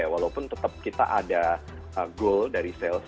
walaupun tetap kita ada goal dari sales